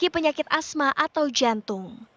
penyakit asma atau jantung